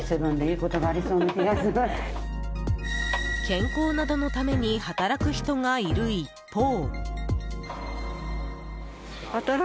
健康などのために働く人がいる一方。